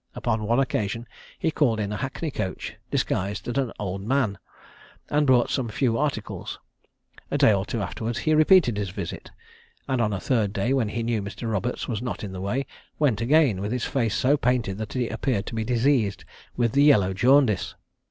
Upon one occasion he called in a hackney coach, disguised as an old man, and bought some few articles: a day or two afterwards he repeated his visit; and on a third day, when he knew Mr. Roberts was not in the way, went again, with his face so painted that he appeared to be diseased with the yellow jaundice.